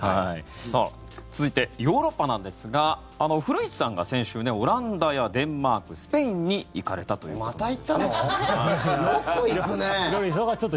さあ、続いてヨーロッパなんですが古市さんが先週オランダやデンマークスペインに行かれたということですね。